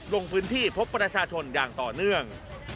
ลงพื้นที่พบประชาชนอย่างต่อเนื่อง